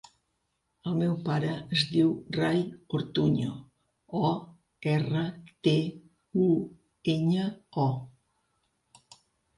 El meu pare es diu Rai Ortuño: o, erra, te, u, enya, o.